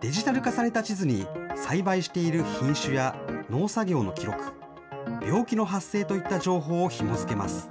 デジタル化された地図に栽培している品種や農作業の記録、病気の発生といった情報をひも付けます。